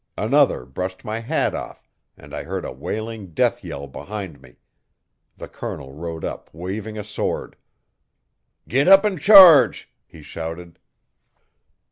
Another brushed my hat off and I heard a wailing death yell behind me. The colonel rode up waving a sword. 'Get up an' charge!' he shouted.